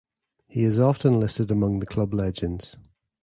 He is often listed among the club legends.